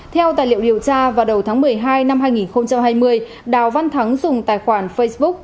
theo tài liệu điều tra vào đầu tháng một mươi hai năm hai nghìn hai mươi đào văn thắng dùng tài khoản facebook